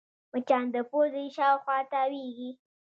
مچان د پوزې شاوخوا تاوېږي